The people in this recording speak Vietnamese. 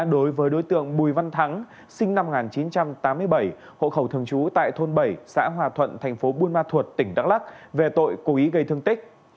đối với đối tượng bùi văn thắng sinh năm một nghìn chín trăm tám mươi bảy hộ khẩu thường trú tại thôn bảy xã hòa thuận thành phố buôn ma thuột tỉnh đắk lắc về tội cố ý gây thương tích